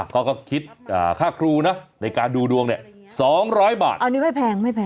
เขาก็คิดค่าครูนะในการดูดวงเนี่ย๒๐๐บาทอันนี้ไม่แพงไม่แพง